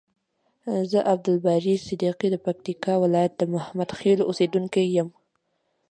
ز عبدالباری صدیقی د پکتیکا ولایت د محمدخیلو اوسیدونکی یم.